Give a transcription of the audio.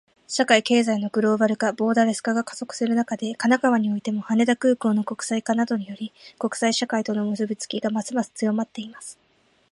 社会・経済のグローバル化、ボーダレス化が加速する中で、神奈川においても、羽田空港の国際化などにより、国際社会との結びつきがますます強まっています。